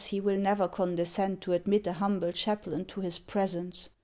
he will never condescend to admit a humble chaplain to his presence.